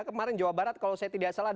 kemarin jawa barat kalau saya tidak salah